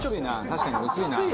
確かに薄いなあ。